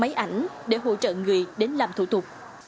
máy in máy ảnh để hỗ trợ người đến làm thủ tục